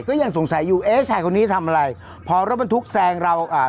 ก็ยังสงสัยอยู่เอ๊ะชายคนนี้ทำอะไรพอรถบรรทุกแซงเราอ่า